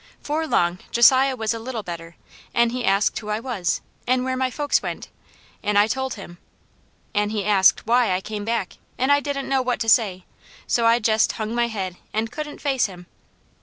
'Fore long Josiah was a little better an' he asked who I was, an' where my folks went, an' I told him, an' he asked WHY I came back an' I didn't know what to say, so I jest hung my head an' couldn't face him.